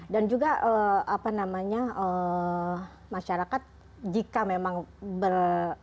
dan juga apa namanya masyarakat jika memang ber